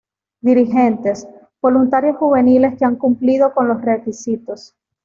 Dirigentes: Voluntarios juveniles que han cumplido con los requisitos.